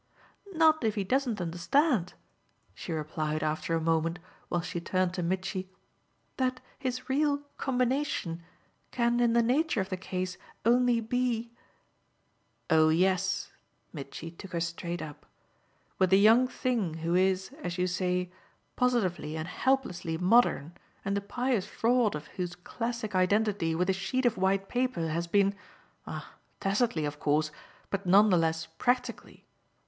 "Not if he doesn't understand," she replied after a moment while she turned to Mitchy, "that his real 'combination' can in the nature of the case only be !" "Oh yes" Mitchy took her straight up "with the young thing who is, as you say, positively and helplessly modern and the pious fraud of whose classic identity with a sheet of white paper has been ah tacitly of course, but none the less practically!